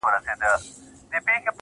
نه پوهېږم د دې کيف له برکته~